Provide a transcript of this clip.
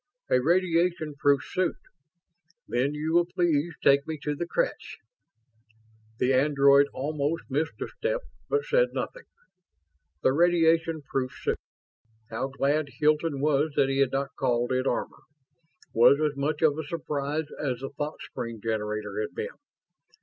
"A radiation proof suit. Then you will please take me to the creche." The android almost missed a step, but said nothing. The radiation proof suit how glad Hilton was that he had not called it "armor"! was as much of a surprise as the thought screen generator had been.